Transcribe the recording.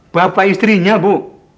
bapak istrinya bu